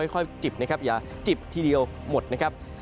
ค่อยจิบนะครับอย่าจิบทีเดียวหมดนะครับ